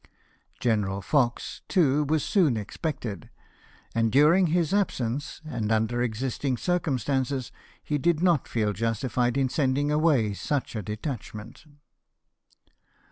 General Fox, too, was soon expected; and during his absence, and under existing circumstances, he did not feel justified in sending away such a detachment."